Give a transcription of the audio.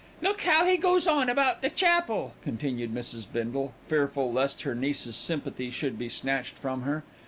"Look how he goes on about the chapel," continued Mrs. Bindle, fearful lest her niece's sympathy should be snatched from her.